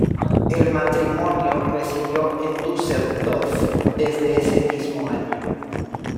El matrimonio residió en Düsseldorf desde ese mismo año.